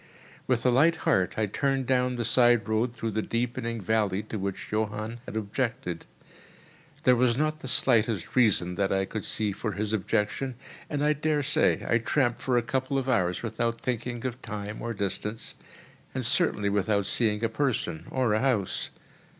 With a light heart I turned down the side road through the deepening valley to which Johann had objected. There was not the slightest reason, that I could see, for his objection; and I daresay I tramped for a couple of hours without thinking of time or distance, and certainly without seeing a person or a house.